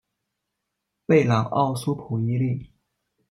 贝朗奥苏普伊利。